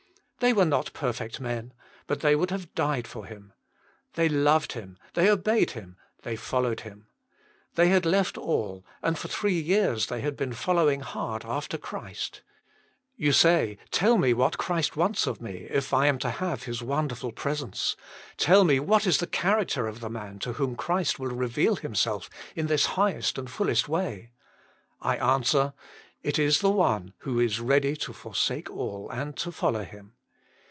They were not perfect men, but they would have died for Him. They loved Him, they obeyed Him, they followed. , Him. They had left all, and for three years they had been following hard af ter Christ. You say << Tell me what Christ wants of me, if I am to have his wonderful presence. Tell me what is the character of the man to whom Christ will reveal Himself iu this high est and fullest way ?" I answer: << It is the one who is ready to forsake all and to follow Him."